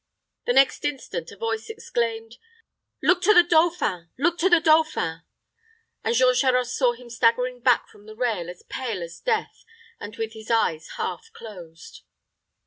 The next instant a voice exclaimed, "Look to the dauphin look to the dauphin!" and Jean Charost saw him staggering back from the rail as pale as death, and with his eyes half closed.